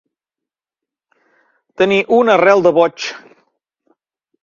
Tenir una arrel de boig.